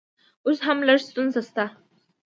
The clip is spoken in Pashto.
اوس هم لږ ستونزه شته